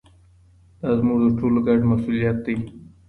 دا زموږ د ټولو ګډ مسووليت دی.